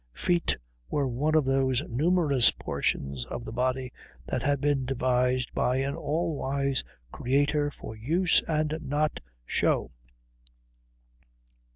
Feet were one of those numerous portions of the body that had been devised by an all wise Creator for use and not show.